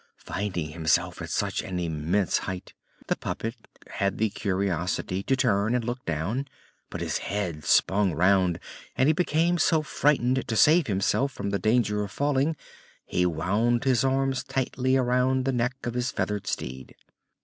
Finding himself at such an immense height the puppet had the curiosity to turn and look down; but his head spun round and he became so frightened to save himself from the danger of falling he wound his arms tightly round the neck of his feathered steed.